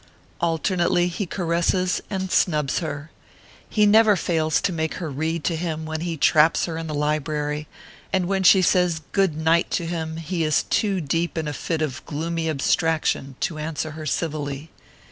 Alternately he caresses and snubs her. He never fails to make her read to him when he traps her in the library ; and when she says, " Good night" to him he is too deep in a "fit of gloomy abstraction" to answer her civilly.